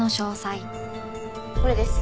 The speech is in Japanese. これです。